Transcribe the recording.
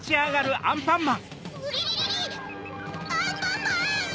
アンパンマン！